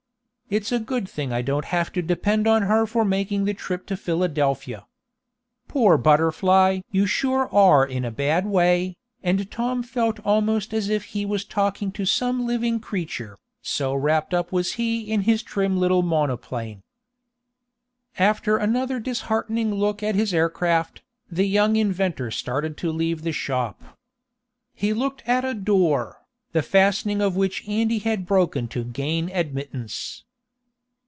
It's a good thing I don't have to depend on her for making the trip to Philadelphia. Poor BUTTERFLY! you sure are in a bad way," and Tom felt almost as if he was talking to some living creature, so wrapped up was he in his trim little monoplane. After another disheartening look at his air craft, the young inventor started to leave the shop. He looked at a door, the fastening of which Andy had broken to gain admittance.